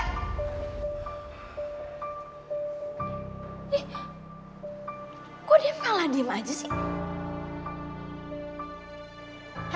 ih kok dia malah diem aja sih